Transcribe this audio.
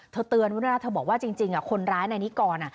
เธอเตือนไว้นะเธอบอกว่าจริงคนร้ายในนิกร